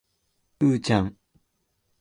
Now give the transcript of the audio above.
うーちゃん